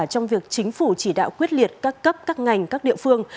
trong việc chính phủ chỉ đạo quyết liệt các cấp các ngành các địa phương